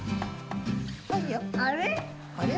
あれ？